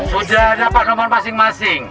sudah dapat nomor masing masing